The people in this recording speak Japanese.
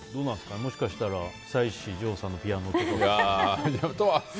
もしかしたら久石譲さんのピアノとか。